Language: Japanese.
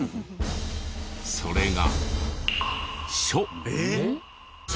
それが「書」。